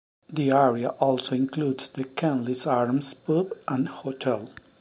The area also includes the Kenlis Arms pub and Hotel.